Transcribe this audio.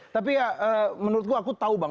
tapi ya menurut gua aku tau bang